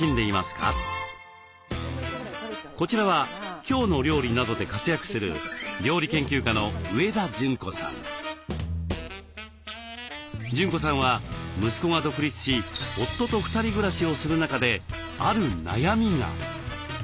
こちらは「きょうの料理」などで活躍する淳子さんは息子が独立し夫と２人暮らしをする中である悩みが。